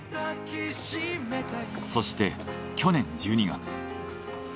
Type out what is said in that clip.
そして去年１２月。